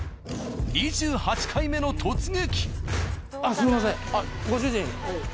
２８回目の突撃。